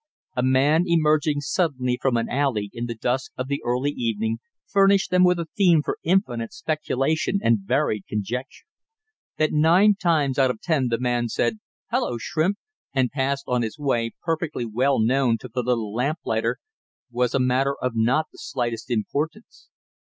A man, emerging suddenly from an alley in the dusk of the early evening, furnished them with a theme for infinite speculation and varied conjecture; that nine times out of ten the man said, "Hello, Shrimp!" and passed on his way perfectly well known to the little lamplighter was a matter of not the slightest importance.